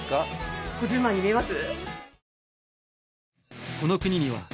５０万に見えます？